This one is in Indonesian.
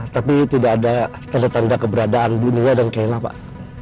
tapi tidak ada tanda tanda keberadaan dunia dan china pak